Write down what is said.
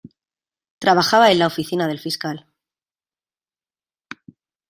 Trabajaba en la oficina del fiscal.